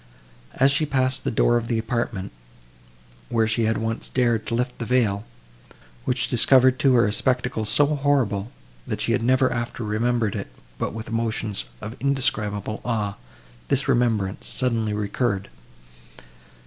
As she passed the door of the apartment, where she had once dared to lift the veil, which discovered to her a spectacle so horrible, that she had never after remembered it, but with emotions of indescribable awe, this remembrance suddenly recurred.